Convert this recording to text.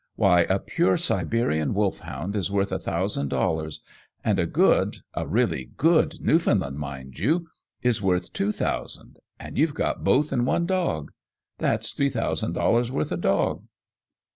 Why, a pure Siberian wolfhound is worth a thousand dollars, and a good a really good Newfoundland, mind you is worth two thousand, and you've got both in one dog. That's three thousand dollars' worth of dog!"